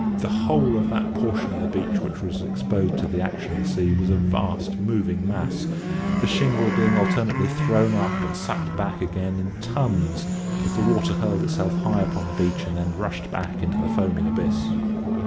The whole of that portion of the beach which was exposed to the action of the sea was a vast moving mass, the shingle being alternately thrown up and sucked back again in tons, as the water hurled itself high upon the beach and then rushed back into the foaming abyss.